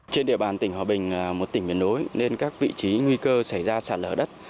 trên địa bàn tỉnh hòa bình một tỉnh miền nối nên các vị trí nguy cơ xảy ra sạt lở đất